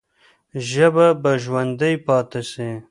ژبه به ژوندۍ پاتې سي.